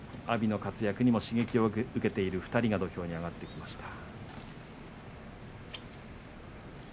阿炎の活躍に刺激を受けている２人が土俵に上がっています。